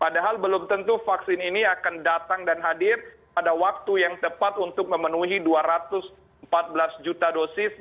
padahal belum tentu vaksin ini akan datang dan hadir pada waktu yang tepat untuk memenuhi dua ratus empat belas juta dosis